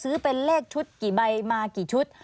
เป็นเลขชุดกี่ใบมากี่ชุด